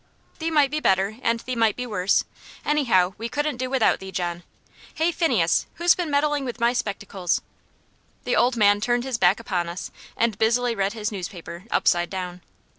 "Thee might be better, and thee might be worse. Anyhow, we couldn't do without thee, John. Hey, Phineas! who's been meddling with my spectacles?" The old man turned his back upon us, and busily read his newspaper upside down.